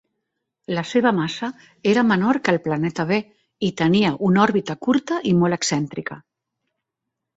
La seva massa era menor que el planeta B i tenia una òrbita curta i molt excèntrica.